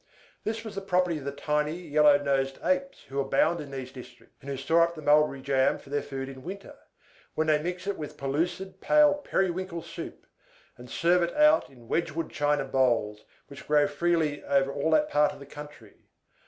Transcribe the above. This is the property of the tiny, yellow nosed Apes who abound in these districts, and who store up the mulberry jam for their food in winter, when they mix it with pellucid pale periwinkle soup, and serve it out in wedgewood china bowls, which grow freely all over that part of the country.